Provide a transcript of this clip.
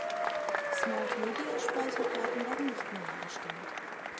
SmartMedia-Speicherkarten werden nicht mehr hergestellt.